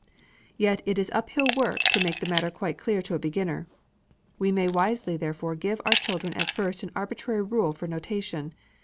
Yet it is up hill work to make the matter quite clear to a beginner. We may wisely therefore give our children at first an arbitrary rule for notation.